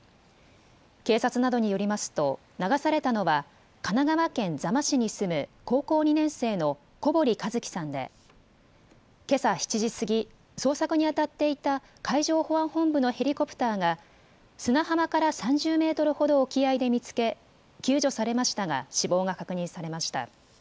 警察などによりますと流されたのは神奈川県座間市に住む高校２年生の小堀一騎さんでけさ７時過ぎ捜索に当たっていた海上保安本部のヘリコプターが砂浜から３０メートルほど沖合で見つけ救助されましたが死亡が確認されました。